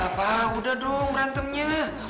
papa udah dong berantemnya